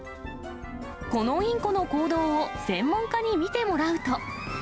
このインコの行動を専門家に見てもらうと。